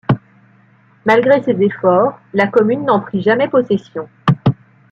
Malgré ses efforts, la commune n'en prit jamais possession.